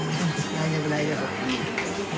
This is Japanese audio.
大丈夫大丈夫。